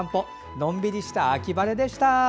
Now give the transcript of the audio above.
のんびりした秋晴れでした。